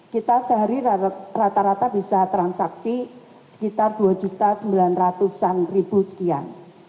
kita sehari rata rata bisa transaksi sekitar dua sembilan ratus an sekian